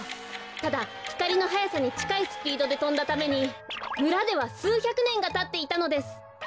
ただひかりのはやさにちかいスピードでとんだためにむらではすうひゃくねんがたっていたのです。